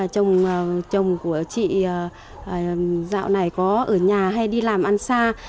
chồng của chị dạo này có ở nhà hay đi làm ăn xa